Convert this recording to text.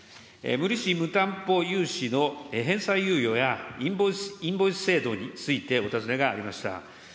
無利子無担保融資の返済猶予や、インボイス制度についてお尋ねがありました。